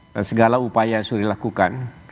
dan segala upaya yang sudah dilakukan